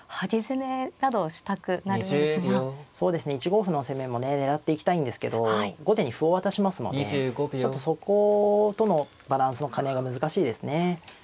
１五歩の攻めもね狙っていきたいんですけど後手に歩を渡しますのでちょっとそことのバランスの兼ね合いが難しいですね。